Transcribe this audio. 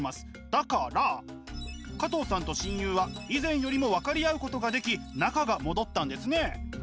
だから加藤さんと親友は以前よりも分かり合うことができ仲が戻ったんですね！